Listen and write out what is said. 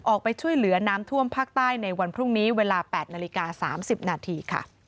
ออกไปช่วยเหลือน้ำท่วมภาคใต้ในวันพรุ่งนี้เวลา๘นาฬิกา๓๐นาทีค่ะ